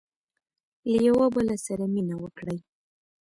• له یوه بل سره مینه وکړئ.